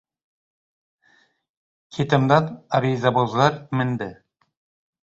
Ketimdan arizabozlar mindi.